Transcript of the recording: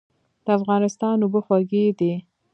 د افغانستان اوبه خوږې دي.